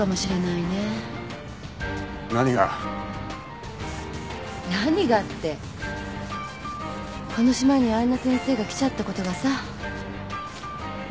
この島にあんな先生が来ちゃったことがさ。